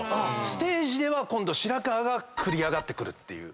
ステージでは今度白川が繰り上がってくるっていう。